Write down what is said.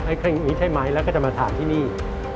ไอ้เครงนี้ใช่ไหมแล้วก็จะมาถามที่นี่